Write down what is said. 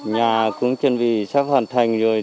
nhà cũng chuẩn bị sắp hoàn thành rồi